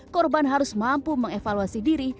korban harus mampu mengevaluasi diri